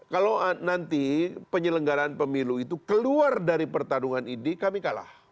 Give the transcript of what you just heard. kalau nanti penyelenggaraan pemilu itu keluar dari pertarungan ini kami kalah